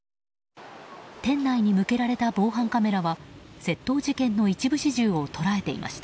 店内に向けられた防犯カメラは窃盗事件の一部始終を捉えていました。